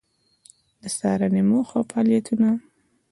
د څارنې موخه او فعالیتونه: